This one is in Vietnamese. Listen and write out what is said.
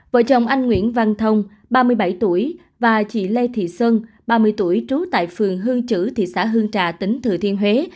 vợ chồng anh nguyễn văn thông ba mươi bảy tuổi và chị lê thị xuân ba mươi tuổi trú tại phường hương chữ thị xã hương trà tỉnh thừa thiên huế